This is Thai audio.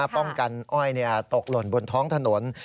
ป้องกันอ้อยตกหล่นบนท้องถนน